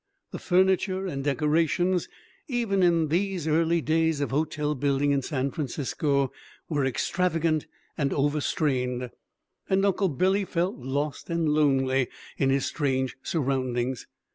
The furniture and decorations, even in these early days of hotel building in San Francisco, were extravagant and overstrained, and Uncle Billy felt lost and lonely in his strange surroundings.